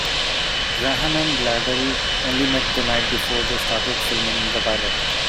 Graham and Bledel only met the night before they started filming the pilot.